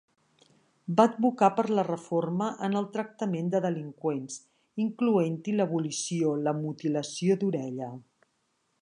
Va advocar per la reforma en el tractament de delinqüents, incloent-hi l'abolició la mutilació d'orella.